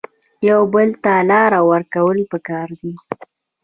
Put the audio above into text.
یو بل ته لار ورکول پکار دي